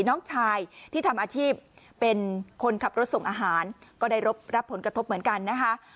น้องชายที่ทำอาชีพเป็นคนขับรถส่งอาหารก็ได้รับผลกระทบเหมือนกันนะคะ